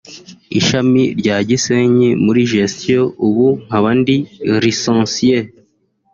Ishami rya Gisenyi muri gestion ubu nkaba ndi licencie”